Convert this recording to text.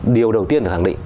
điều đầu tiên là thẳng định